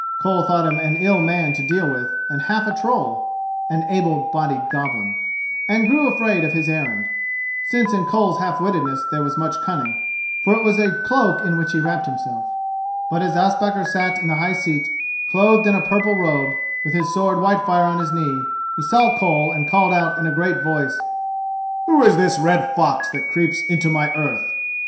Koll thought him an ill man to deal with and half a troll,[*] and grew afraid of his errand, since in Koll's half wittedness there was much cunning—for it was a cloak in which he wrapped himself. But as Ospakar sat in the high seat, clothed in a purple robe, with his sword Whitefire on his knee, he saw Koll, and called out in a great voice: [*] An able bodied Goblin. "Who is this red fox that creeps into my earth?"